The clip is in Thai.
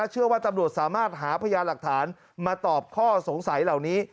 เชื่อว่าตำรวจสามารถหาพยานหลักฐานมาตอบข้อสงสัยเหล่านี้